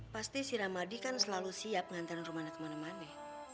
pasti si ramadi kan selalu siap ngantarin rumahnya kemana mana